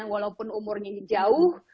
walaupun umurnya jauh